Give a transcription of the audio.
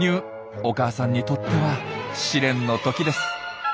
お母さんにとっては試練の時です。